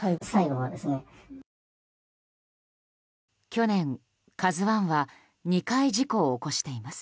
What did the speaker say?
去年「ＫＡＺＵ１」は２回、事故を起こしています。